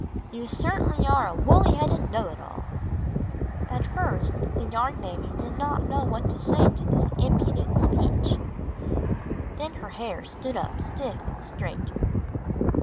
You certainly are a woolly headed know it all!" At first the Yarn Baby did not know what to say to this impudent speech. Then her hair stood up stiff and straight.